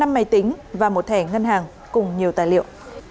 năm máy tính và một thẻ ngân hàng cùng nhiều tài liệu